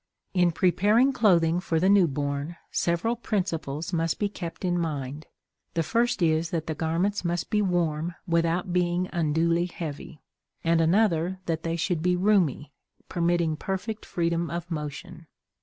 In preparing clothing for the new born, several principles must be kept in mind. The first is that the garments must be warm without being unduly heavy; and another that they should be roomy, permitting perfect freedom of motion.